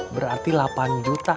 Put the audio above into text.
berarti delapan juta